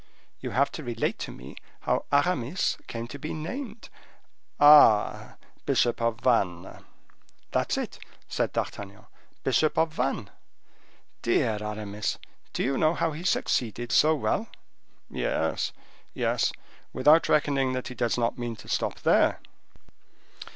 "You have to relate to me how Aramis came to be named—" "Ah! bishop of Vannes." "That's it," said D'Artagnan, "bishop of Vannes. Dear Aramis! do you know how he succeeded so well?" "Yes, yes; without reckoning that he does not mean to stop there."